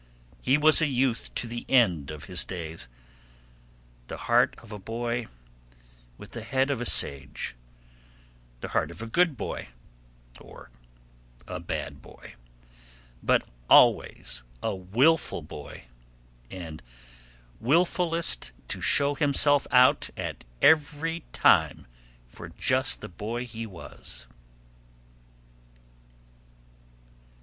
He was a youth to the end of his days, the heart of a boy with the head of a sage; the heart of a good boy, or a bad boy, but always a wilful boy, and wilfulest to show himself out at every time for just the boy he was.